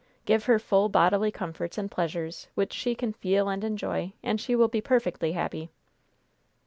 Give her full bodily comforts and pleasures, which she can feel and enjoy, and she will be perfectly happy."